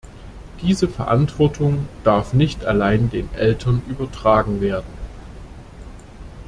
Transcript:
Diese Verantwortung darf nicht allein den Eltern übertragen werden.